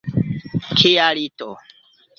Kia lito!